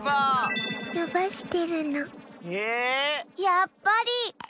やっぱり！